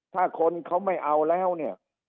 ถ้าคนเขาไม่เอาแล้วเนี่ย